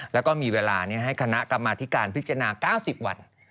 แล้วก็มีเวลาให้คณะกรรมาธิการพิจารณา๙๐วัน